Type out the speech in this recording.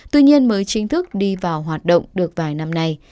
tuy nhiên mới chính thức đi vào hoạt động được vài năm nay